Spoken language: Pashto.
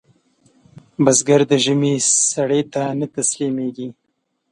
بزګر د ژمي سړې ته نه تسلېږي